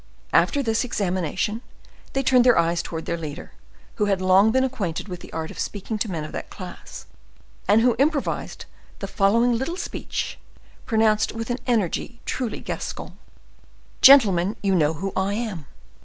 After this examination they turned their eyes towards their leader, who had long been acquainted with the art of speaking to men of that class, and who improvised the following little speech, pronounced with an energy truly Gascon: "Gentlemen, you all know who I am.